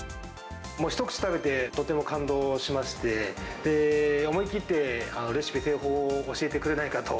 もう一口食べて、とても感動しまして、思い切ってレシピ製法を教えてくれないかと。